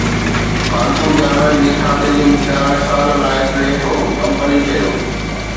پالتو جانورن جي کاڌي جو مقدار سال لاء فليٽ هو، ڪمپني چيو